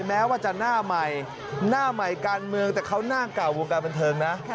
แม้ว่าจะหน้าใหม่การเมืองแต่เขาน่างเก่าวงการบรรเทิงนะ